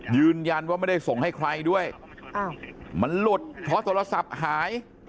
ยืนยันว่าไม่ได้ส่งให้ใครด้วยมันหลุดเพราะโทรศัพท์หาย